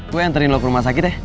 gue yang anterin lo ke rumah sakit ya